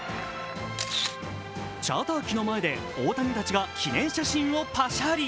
チャーター機の前で大谷たちが記念写真をパシャリ。